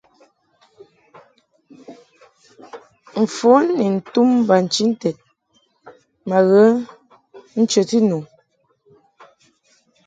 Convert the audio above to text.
Mfon ni ntum bachinted ma ghə nchəti nu.